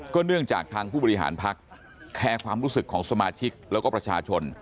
เนื่องจากทางผู้บริหารพักแคร์ความรู้สึกของสมาชิกแล้วก็ประชาชน